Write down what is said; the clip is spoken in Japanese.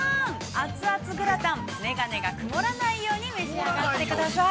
熱々グラタン、メガネが曇らないように召し上がってください。